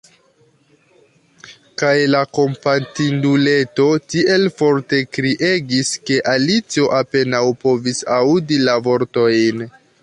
Kaj la kompatinduleto tiel forte kriegis ke Alicio apenaŭ povis aŭdi la vortojn.